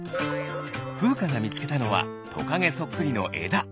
ふうかがみつけたのはトカゲそっくりのえだ。